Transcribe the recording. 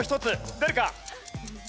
出るか？